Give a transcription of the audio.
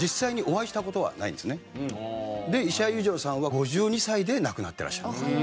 で石原裕次郎さんは５２歳で亡くなってらっしゃる。